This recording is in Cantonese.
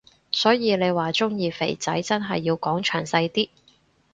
所以你話鍾意肥仔真係要講詳細啲